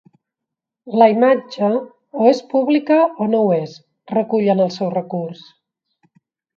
La imatge o és publica o no ho és, recull en el seu recurs.